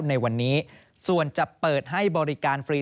ในวันนี้ส่วนจะเปิดให้บริการฟรี